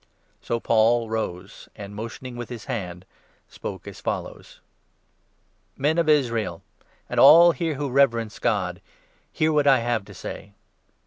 So Paul rose and, motioning with his hand, spoke as follows : 16 " Men of Israel and all here who reverence God, hear what I have to say.